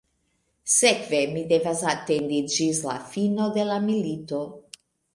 Sekve mi devas atendi ĝis la fino de la milito.